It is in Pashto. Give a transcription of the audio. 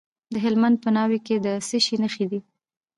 د هلمند په ناوې کې د څه شي نښې دي؟